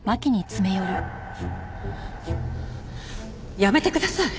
やめてください！